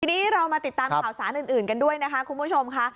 ทีนี้เรามาติดตามข่าวสารอื่นกันด้วยนะคะคุณผู้ชมค่ะ